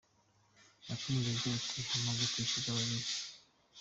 Yakomeje agira ati “Hamaze kwishyura babiri.